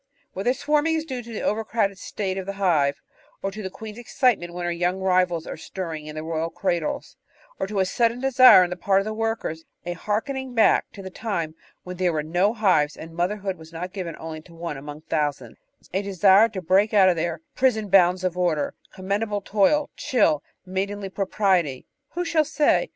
Whether swarming is due to the overcrowded state of the hive, or to the queen's excitement when her young rivals are stirring in the royal cradles, or to a sudden desire on the part of the workers, a harking back to the time when there were no hives and mother hood was not given only to one among thousands, a desire to break out of their "prison bounds of order, commendable toil, chill, maidenly propriety," who shall say?